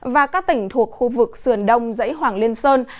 và các tỉnh thuộc khu vực sườn đông dãy hoàng liên sơn